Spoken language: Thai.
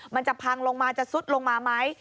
มันจะพังลงมาจะซุดลงมาไหม